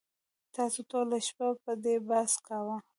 تاسو ټوله شپه په دې بحث کاوه